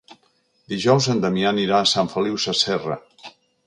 Dijous en Damià anirà a Sant Feliu Sasserra.